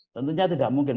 tentunya tidak mungkin